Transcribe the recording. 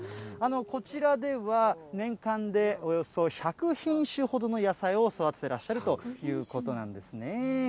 こちらでは年間でおよそ１００品種ほどの野菜を育ててらっしゃるということなんですね。